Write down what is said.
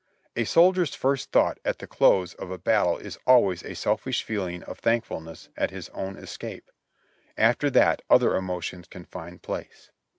A soldier's first thought at the close of a battle is always a selfish feeling of thank fulness at his own escape ; after that other emotions can find place.